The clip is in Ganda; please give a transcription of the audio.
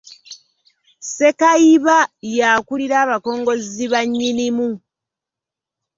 Ssekayiba ye akulira abakongozzi ba Nnyinimu.